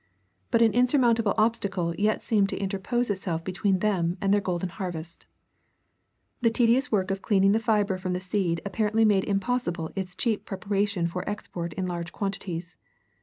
But an insurmountable obstacle yet seemed to interpose itself between them and their golden harvest. The tedious work of cleaning the fiber from the seed apparently made impossible its cheap preparation for export in large quantities.